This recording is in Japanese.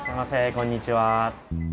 こんにちは。